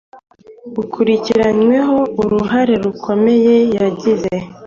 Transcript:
ukurikiranyweho uruhare rukomeye yagize